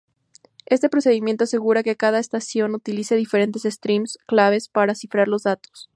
Este procedimiento asegura que cada estación utilice diferentes streams claves para cifrar los datos.